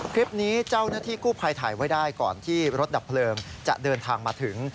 คลิปนี้เจ้าหน้าที่กู้ภัยถ่ายไว้ได้ก่อนที่รถดับเพลิงจะเดินทางมาถึง